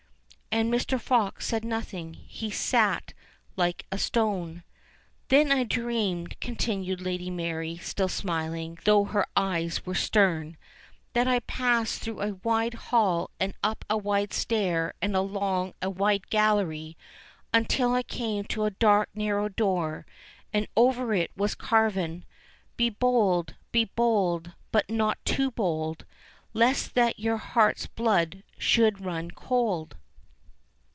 MR. FOX 237 And Mr. Fox said nothing ; he sate Hke a stone. "Then I dreamed," continued Lady Mary, still smiling, though her eyes were stern, "that I passed through a wide hall and up a wide stair and along a wide gallery until I came to a dark narrow door, and over it was carven : BE BOLD, BE BOLD, BUT NOT TOO BOLD, LEST THAT YOUR HEART'S BLOOD SHOULD RUN COLD.